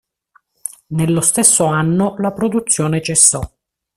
Nello stesso anno la produzione cessò.